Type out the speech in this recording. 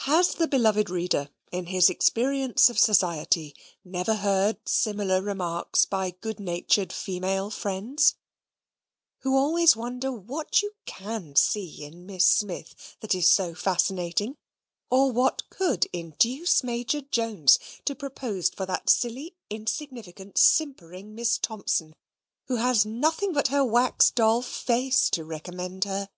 Has the beloved reader, in his experience of society, never heard similar remarks by good natured female friends; who always wonder what you CAN see in Miss Smith that is so fascinating; or what COULD induce Major Jones to propose for that silly insignificant simpering Miss Thompson, who has nothing but her wax doll face to recommend her?